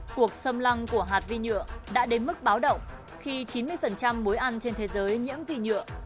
cuộc xâm lăng của hạt vi nhựa đã đến mức báo động khi chín mươi mối ăn trên thế giới nhiễm vi nhựa